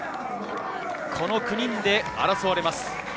この９人で争われます。